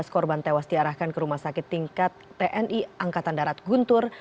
lima belas korban tewas diarahkan ke rumah sakit tingkat tni angkatan darat guntur